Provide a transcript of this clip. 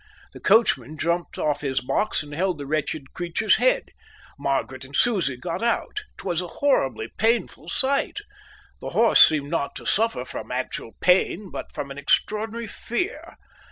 The coachman jumped off his box and held the wretched creature's head. Margaret and Susie got out. It was a horribly painful sight. The horse seemed not to suffer from actual pain, but from an extraordinary fear.